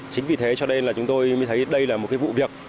chính vì thế cho nên là chúng tôi mới thấy đây là một cái vụ việc